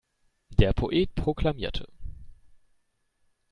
Der Poet proklamierte.